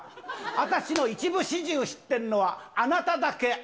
私の一部始終知ってるのはあなただけ。